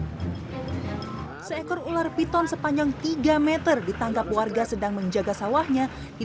hai seekor ular piton sepanjang tiga meter ditangkap warga sedang menjaga sawahnya di